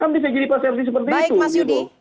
kan bisa jadi prosesi seperti itu